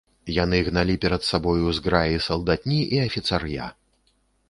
Яны гналі перад сабою зграі салдатні і афіцар'я.